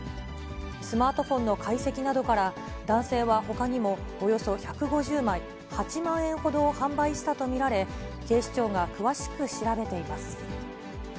スマートフォンの解析などから、男性はほかにもおよそ１５０枚、８万円ほどを販売したと見られ、警視庁が詳しく調べています。